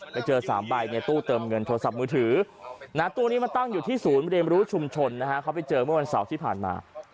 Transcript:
ไปเจอ๓ใบในตู้เติมเงินโทรศัพท์มือถือตู้นี้มาตั้งอยู่ที่ศูนย์เรียนรู้ชุมชนนะฮะเขาไปเจอเมื่อวันเสาร์ที่ผ่านมา